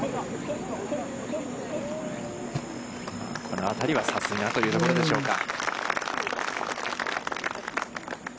この辺りはさすがというところでしょうか。